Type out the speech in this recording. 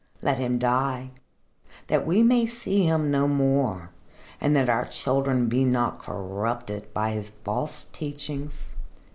Let him die, that we may see him no more, and that our children be not corrupted by his false teachings."